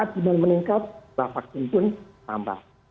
himan meningkat vaksin pun tambah